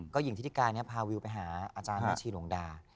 ก็หญิงธิกาพาวิวไปหาอาจารย์หน้าชีวิตลงดา